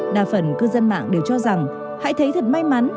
đa phần cư dân mạng đều cho rằng hãy thấy thật may mắn